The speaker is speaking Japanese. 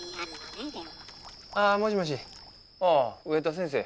あもしもしああ上田先生。